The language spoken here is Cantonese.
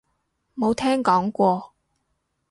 冇聽講過